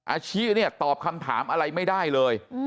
อาชิเนี่ยตอบคำถามอะไรไม่ได้เลย